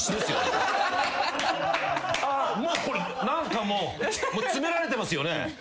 何かもう詰められてますよね？